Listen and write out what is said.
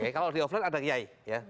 kalau di offline ada kiai